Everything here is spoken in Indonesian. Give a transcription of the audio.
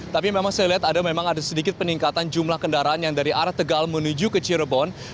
tapi memang saya lihat memang ada sedikit peningkatan jumlah kendaraan yang dari arah tegal menuju ke cirebon